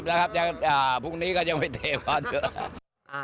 ๗๐แล้วครับพรุ่งนี้ก็ยังไม่เทบอ่ะ